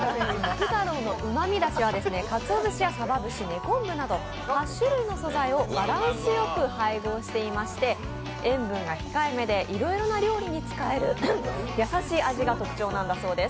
福太郎の旨味出汁はかつお節やさば節、根昆布など８種類の素材をバランスよく配合していまして塩分が控えめでいろいろな料理に使える優しい味が特徴なんだそうです。